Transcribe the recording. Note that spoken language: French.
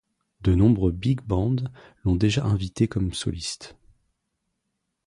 De nombreux big bands l'ont déjà invité comme soliste.